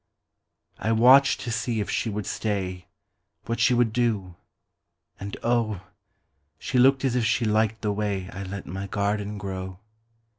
I watched to see if she would stay, What she would do—and oh! She looked as if she liked the wayI let my garden grow!